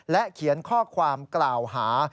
เขียนข้อความกล่าวหา